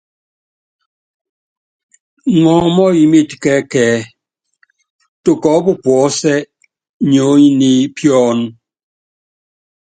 Ŋɔɔ́ mɔ́ɔyimɛt kɛ ɛkɛɛ́, tukɔɔp puɔ́sɛ́ niony ni piɔ́n.